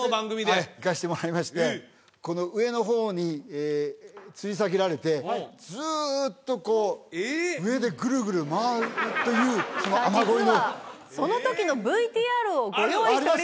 はい行かせてもらいましてこの上の方につり下げられてずっとこう上でグルグル回るという実はその時のＶＴＲをご用意しております